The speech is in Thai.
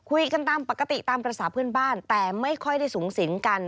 คุยกันตามปกติตามภาษาเพื่อนบ้านแต่ไม่ค่อยได้สูงสิงกัน